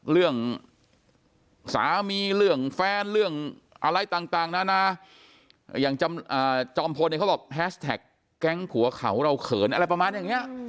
เรื่องสามีเรื่องแฟนเรื่องอะไรต่างนานาอย่างจอมพลเนี่ยเขาบอกแฮชแท็กแก๊งผัวเขาเราเขินอะไรประมาณอย่างนี้